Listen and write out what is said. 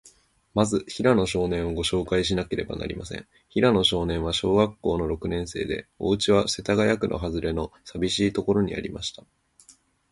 まず、平野少年を、ごしょうかいしなければなりません。平野少年は、小学校の六年生で、おうちは、世田谷区のはずれの、さびしいところにありました。